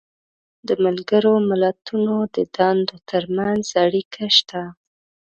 د ملګرو ملتونو د دندو تر منځ اړیکه شته.